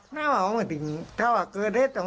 นี่เห็น